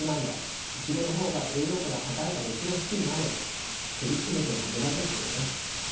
イチゴの方が栄養価が高いからイチゴ好きになれと首絞めても無駄ですよね。